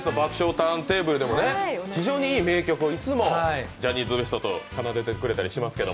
ターンテーブル」でも非常にいい名曲をいつもジャニーズＷＥＳＴと奏でてくれたりしますけど。